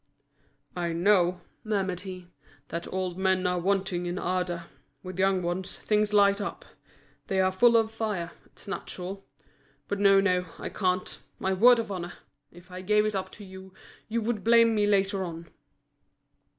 "I know," murmured he, "that old men are wanting in ardour. With young ones, things light up. They are full of fire, it's natural. But, no, no, I can't, my word of honour! If I gave it up to you, you would blame me later on."